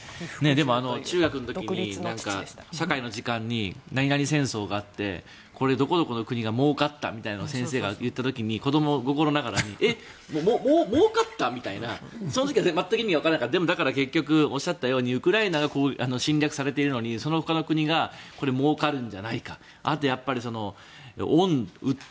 でも中学の時に社会の時間に何々戦争があってこれ、どこどこの国がもうかったみたいな話を先生がして子ども心にもうかった？みたいなその時は意味がわからなかったけど結局、おっしゃったようにウクライナが侵略されているのにそのほかの国がもうかるんじゃないか。